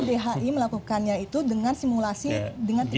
tapi pak ir dhi melakukannya itu dengan simulasi dengan tiga ratus meter